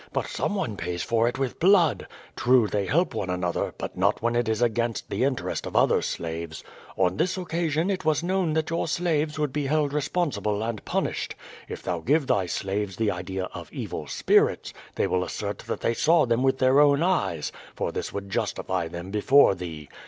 "But someone pays for it with blood. True, they help one another, but not when it is against the interest of other slaves. On this occasion it was known that your slaves would be held responsible and punished. If thou give thy slaves the idea of evil spirits, they will assert that they saw them with their own eyes, for this would justify them before thee.